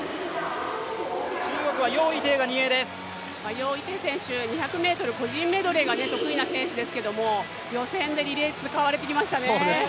楊イテイ選手、２００ｍ個人メドレーが得意な選手ですけど、予選でリレー、使われてきましたね